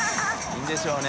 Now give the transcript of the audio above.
いいんでしょうね